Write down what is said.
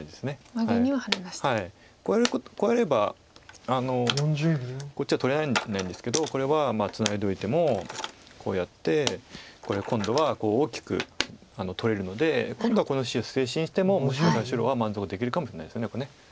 こうやればこっちは取られないんですけどこれはツナいでおいてもこうやってこれ今度は大きく取れるので今度はこの石を捨て石にしてももしかしたら白は満足できるかもしれないです。